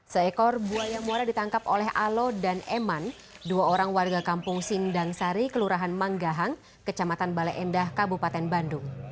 seekor buaya muara ditangkap oleh alo dan eman dua orang warga kampung sindang sari kelurahan manggahang kecamatan bale endah kabupaten bandung